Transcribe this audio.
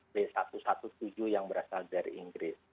dari varian alpha b satu ratus tujuh belas yang berasal dari inggris